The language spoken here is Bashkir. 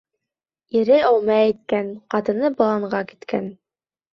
Ире омә әйткән, ҡатыны баланға киткән.